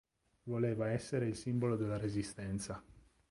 Voleva essere il simbolo della resistenza.